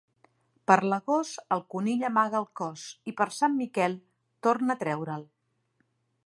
Per l'agost, el conill amaga el cos, i per Sant Miquel, torna a treure'l.